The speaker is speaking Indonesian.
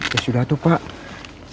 ya sudah tuh pak